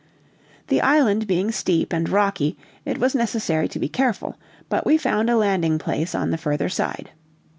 The island being steep and rocky, it was necessary to be careful; but we found a landing place on the further side.